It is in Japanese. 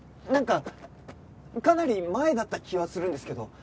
なんかかなり前だった気はするんですけど。